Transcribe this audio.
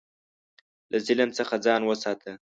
له ظلم څخه ځان وساته.